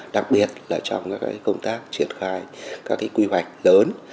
đặc biệt là trong các công tác triển khai các quy hoạch lớn